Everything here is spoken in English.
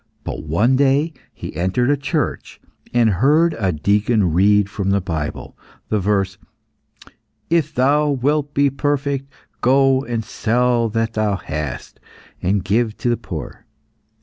But one day he entered a church, and heard a deacon read from the Bible, the verse, "If thou wilt be perfect, go and sell that thou hast, and give to the poor."